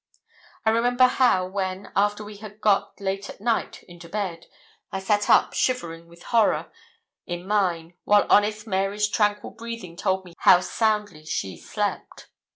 I remember how, when, after we had got, late at night, into bed, I sat up, shivering with horror, in mine, while honest Mary's tranquil breathing told how soundly she slept.